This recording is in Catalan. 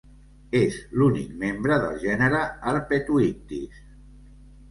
És l"únic membre del gènere Erpetoichthys.